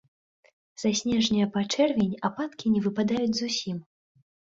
Са снежня па чэрвень ападкі не выпадаюць зусім.